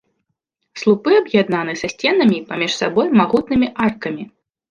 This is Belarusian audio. Слупы аб'яднаны са сценамі і паміж сабой магутнымі аркамі.